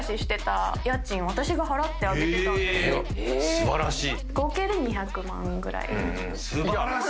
素晴らしい。